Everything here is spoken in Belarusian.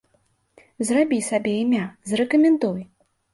Зрабі сабе імя, зарэкамендуй!